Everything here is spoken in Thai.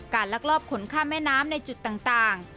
ลักลอบขนข้ามแม่น้ำในจุดต่าง